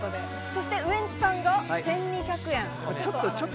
そしてウエンツさん、１２００円。